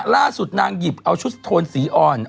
ล่าสุดนางหยิบเอาชุดโทนสีอ่อน